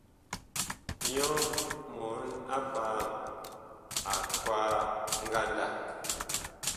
Nyɔ mɔn-a-paam ag kwaa ngandag.